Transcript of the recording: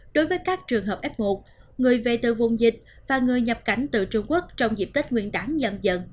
đối với các trường hợp f một người về từ vùng dịch và người nhập cảnh từ trung quốc trong dịp tết nguyên đáng dần dần